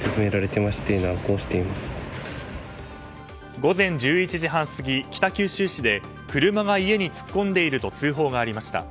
午前１１時半過ぎ、北九州市で車が家に突っ込んでいると通報がありました。